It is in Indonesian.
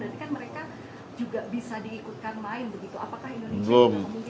berarti kan mereka juga bisa diikutkan main begitu apakah indonesia tidak memungkinkan